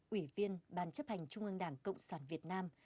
ủy viên ban chấp hành trung ương đảng cộng sản việt nam